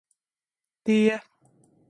Tie